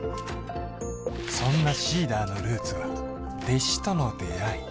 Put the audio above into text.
そんなＳｅｅｄｅｒのルーツは弟子との出会い